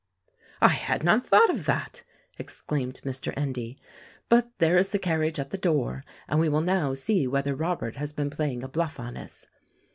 "I had not thought of that!" exclaimed Mr. Endy; "but there is the carriage at the door, and we will now see whether Robert has been playing a bluff on us.